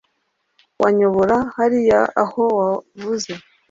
Wanyobora hariya aho wavuze